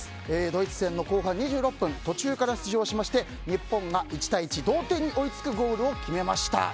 ドイツ戦の後半２６分途中から出場しまして日本が１対１同点に追いつくゴールを決めました。